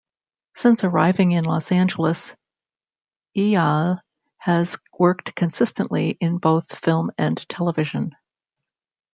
Since arriving in Los Angeles, Eyal has worked consistently in both film and television.